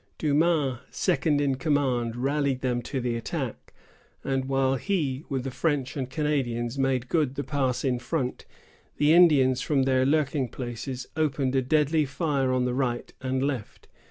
Dumas, second in command, rallied them to the attack; and while he, with the French and Canadians, made good the pass in front, the Indians from their lurking places opened a deadly fire on the right and left.